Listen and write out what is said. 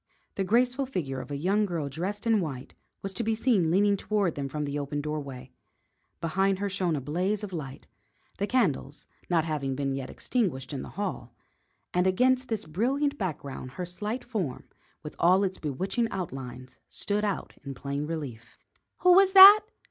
The graceful figure of a young girl dressed in white was to be seen leaning toward them from the open doorway. Behind her shone a blaze of light the candles not having been yet extinguished in the hall and against this brilliant background her slight form, with all its bewitching outlines, stood out in plain relief. "Who was that?"